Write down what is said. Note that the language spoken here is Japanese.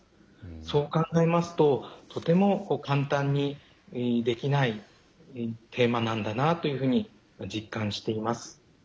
そう考えますととても簡単にできないテーマなんだなというふうに実感しています。